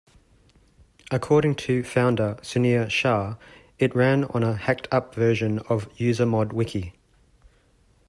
According to founder Sunir Shah, it ran on "a hacked-up version of UseModWiki".